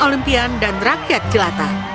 olimpian dan rakyat jelata